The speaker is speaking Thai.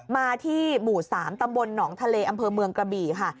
มาที่หมู่๓ตำบลหนองทะเลอำเภอเมืองกระบี่ค่ะ